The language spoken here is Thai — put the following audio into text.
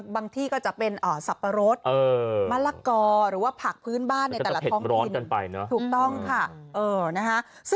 บางที่จะเป็นซับปะโรส